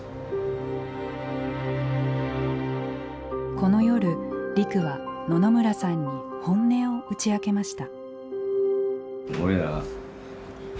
この夜リクは野々村さんに本音を打ち明けました。